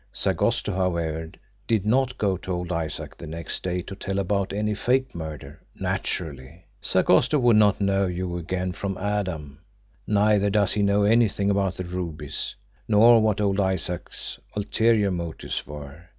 Sagosto, however, did not go to old Isaac the next day to tell about any fake murder naturally. Sagosto would not know you again from Adam neither does he know anything about the rubies, nor what old Isaac's ulterior motives were.